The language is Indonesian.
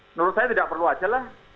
menurut saya tidak perlu aja lah